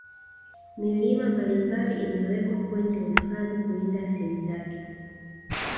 Milima mbalimbali imewekwa kwenye uhifadhi kulinda asili zake